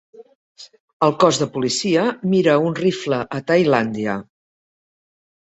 El cos de policia mira un rifle a Tailàndia.